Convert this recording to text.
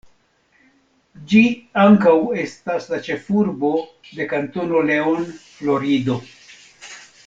Ĝi ankaŭ estas la ĉefurbo de Kantono Leon, Florido.